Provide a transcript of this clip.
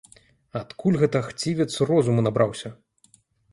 Адкуль гэта хцівец розуму набраўся?